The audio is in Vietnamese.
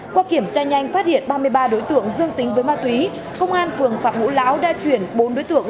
qua kiểm tra nhanh phát hiện ba mươi ba đối tượng dương tính với ma túy công an phường phạm ngũ lão đã chuyển bốn đối tượng